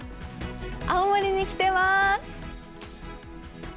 青森に来てます。